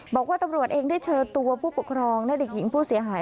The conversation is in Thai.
บอกว่าตำรวจเองได้เชิญตัวผู้ปกครองและเด็กหญิงผู้เสียหาย